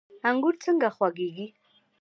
انګور څنګه خوږیږي؟